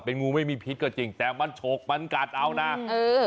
งูไม่มีพิษก็จริงแต่มันฉกมันกัดเอานะเออ